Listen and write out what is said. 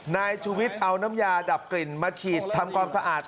นายชูวิทย์เอาน้ำยาดับกลิ่นมาฉีดทำความสะอาด